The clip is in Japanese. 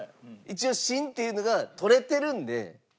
一応「新」っていうのが取れてるんで。